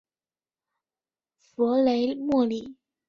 弗雷默里。